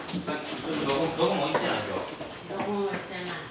どこも行ってないの？